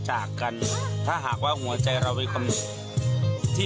บางครั้งเราอาจจะฆ่าตัวตายขนาดนี้